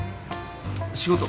仕事。